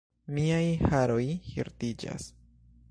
Miaj haroj hirtiĝas!